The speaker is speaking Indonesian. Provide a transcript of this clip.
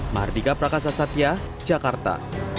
mardika prakasa satya jakarta